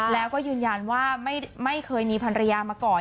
แล้วก็ยืนยันว่าไม่เคยมีภรรยามาก่อน